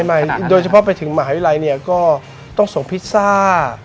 ไม่โดยเฉพาะไปถึงหมาวิรัยก็ต้องส่งพิซซ่า